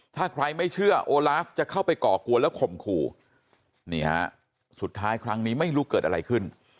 ถ้าใครไม่เชื่อโอลาฟจะเข้าไปก่อกวนแล้วข่มขู่นี่ฮะสุดท้ายครั้งนี้ไม่รู้เกิดอะไรขึ้น